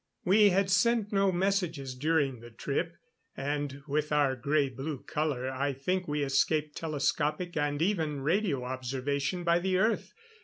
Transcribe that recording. We had sent no messages during the trip, and with our grey blue color, I think we escaped telescopic and even radio observation by the Earth.